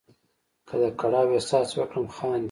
که د کړاو احساس وکړم خاندې.